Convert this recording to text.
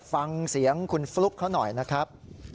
ฟังเสียงคุณฟลุ๊กเขาหน่อยนะครับ